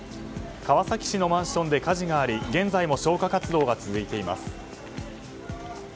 川崎市のマンションで火事があり現在も消火活動が続いています。